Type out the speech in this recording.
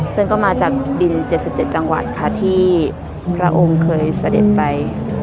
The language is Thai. ซึ่งก็มาจากดิน๗๗จังหวัดค่ะที่พระองค์เคยเสด็จไป